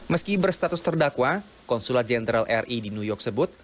meski berstatus terdakwa konsulat jenderal ri di new york sebut